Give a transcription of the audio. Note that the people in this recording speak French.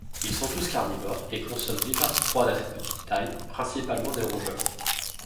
Ils sont tous carnivores et consomment diverses proies d'assez petite taille, principalement des rongeurs.